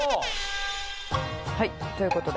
「はいという事で」